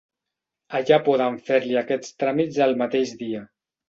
Allà poden fer-li aquests tràmits el mateix dia.